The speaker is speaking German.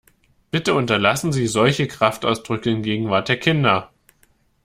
Bitte unterlassen Sie solche Kraftausdrücke in Gegenwart der Kinder!